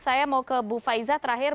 saya mau ke bu faiza terakhir